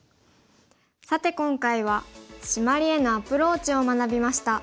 さて今回はシマリへのアプローチを学びました。